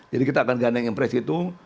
jadi kita akan gandeng impress itu